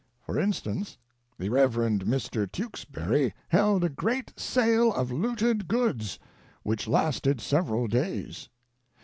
For instance, the Rev. Mr. Tewksbury held a great sale of looted goods, which lasted several days.